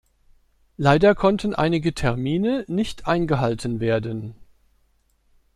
Leider konnten einige Termine nicht eingehalten werden.